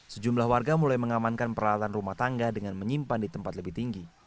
sejumlah warga mulai mengamankan peralatan rumah tangga dengan menyimpan di tempat lebih tinggi